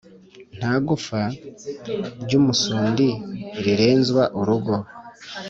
Nta gufwa ry’umusundi rirenzwa urugo.